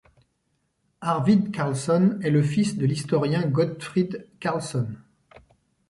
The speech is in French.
Arvid Carlsson est le fils de l'historien Gottfrid Carlsson.